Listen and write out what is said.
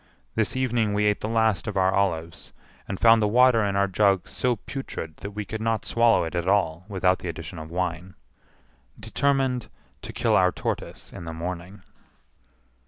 This evening we ate the last of our olives, and found the water in our jug so putrid that we could not swallow it at all without the addition of wine. Determined to kill our tortoise in the morning.